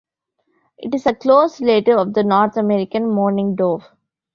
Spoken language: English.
It is a close relative of the North American mourning dove.